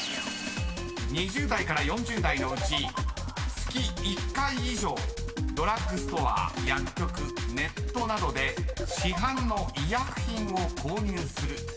［２０代から４０代のうち月１回以上ドラッグストア薬局ネットなどで市販の医薬品を購入するという人は何％？］